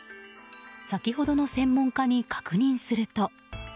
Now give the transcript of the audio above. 先ほどの専門家に確認すると。